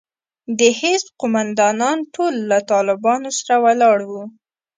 د حزب قومندانان ټول له طالبانو سره ولاړ وو.